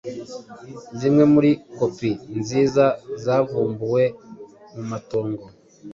Zimwe muri kopi nziza zavumbuwe mu matongo